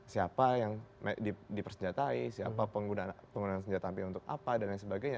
siapa yang dipersenjatai siapa penggunaan senjata api untuk apa dan lain sebagainya